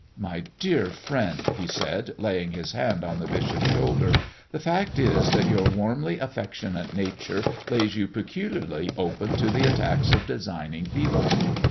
"My dear friend," he said, laying his hand on the bishop's shoulder, "the fact is that your warmly affectionate nature lays you peculiarly open to the attacks of designing people.